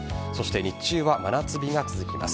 日中は真夏日が続きます。